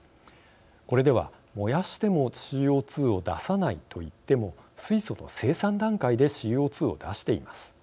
これでは燃やしてもＣＯ２を出さないと言っても水素の生産段階でＣＯ２を出しています。